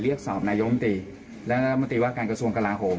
เรียกสอบนายมติและมติว่าการกระทรวงกราหม